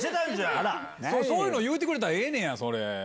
そういうの言うてくれたらええねやん。